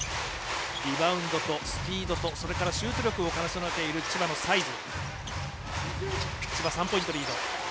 リバウンドとスピードとそれからシュート力を兼ね備えている千葉のサイズ。